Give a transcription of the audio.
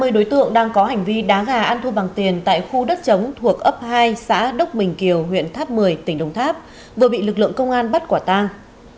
ba mươi đối tượng đang có hành vi đá gà ăn thua bằng tiền tại khu đất chống thuộc ấp hai xã đốc bình kiều huyện tháp một mươi tỉnh đồng tháp vừa bị lực lượng công an bắt quả tang